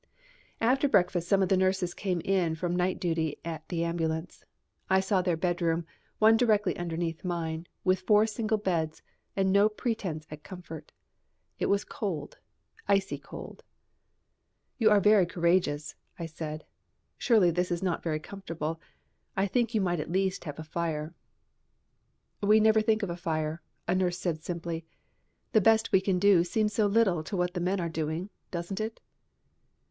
After breakfast some of the nurses came in from night duty at the ambulance. I saw their bedroom, one directly underneath mine, with four single beds and no pretence at comfort. It was cold, icy cold. "You are very courageous," I said. "Surely this is not very comfortable. I should think you might at least have a fire." "We never think of a fire," a nurse said simply. "The best we can do seems so little to what the men are doing, doesn't it?"